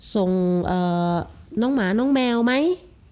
ส่งน้องหมาน้องแมวไหม